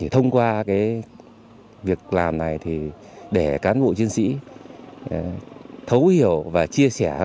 thông qua việc làm này để cán bộ chiến sĩ thấu hiểu và chia sẻ